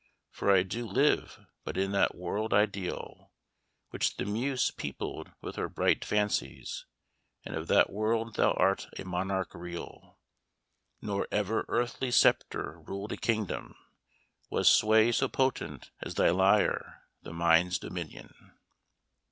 For I do live but in that world ideal Which the muse peopled with her bright fancies, And of that world thou art a monarch real, Nor ever earthly sceptre ruled a kingdom, With sway so potent as thy lyre, the mind's dominion."